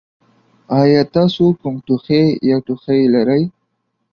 ایا تاسو کوم ټوخی یا ټوخی لرئ؟